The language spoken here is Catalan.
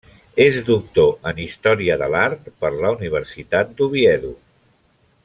És doctor en història de l'art per la Universitat d'Oviedo.